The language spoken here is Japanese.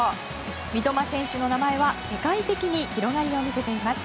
三笘選手の名前は世界的に広がりを見せています。